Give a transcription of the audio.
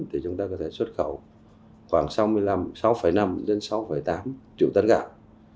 thì chúng ta có thể xuất khẩu khoảng sáu mươi năm sáu năm đến sáu tám triệu tấn gạo